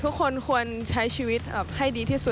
ทุกคนควรใช้ชีวิตได้